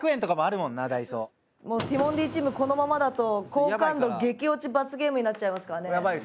もうティモンディチームこのままだと好感度激落ち罰ゲームになっちゃいますからね。